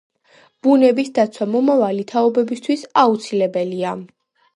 ბუნების დაცვა მომავალი თაობებისთვის აუცილებელია.